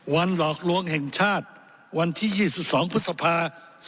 หลอกลวงแห่งชาติวันที่๒๒พฤษภา๒๕๖